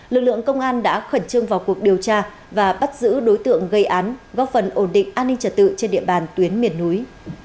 lực lượng công an đã khẩn trương vào cuộc điều tra và bắt giữ đối tượng gây án góp phần ổn định an ninh trật tự trên địa bàn tuyến miền núi